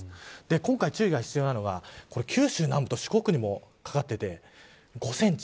今回、注意が必要なのは九州南部と四国にもかかっていて５センチ